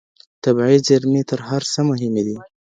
طبيعي زېرمي تر هر څه مهمي دي.